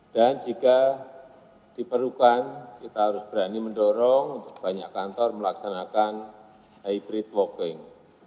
dan jika diperlukan kita harus berani mendorong banyak kantor melaksanakan hybrid walking